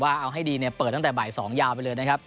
เอาให้ดีเนี่ยเปิดตั้งแต่บ่าย๒ยาวไปเลยนะครับ